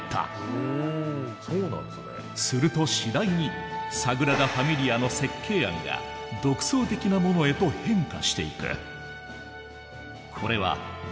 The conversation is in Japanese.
すると次第に「サグラダ・ファミリア」の設計案が独創的なものへと変化していく。